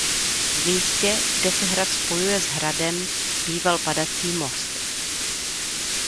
V místě kde se hrad spojuje s hradem býval padací most.